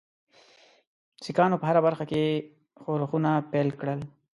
سیکهانو په هره برخه کې ښورښونه پیل کړل.